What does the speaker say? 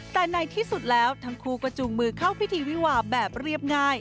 แต่ในที่สุดแล้วทั้งคู่ก็จูงมือเข้าพิธีวิวาแบบเรียบง่าย